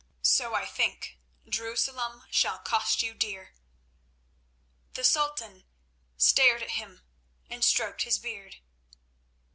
So I think Jerusalem shall cost you dear." The Sultan stared at him and stroked his beard.